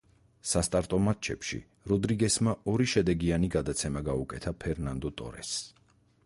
სასტარტო მატჩებში როდრიგესმა ორი შედეგიანი გადაცემა გაუკეთა ფერნანდო ტორესს.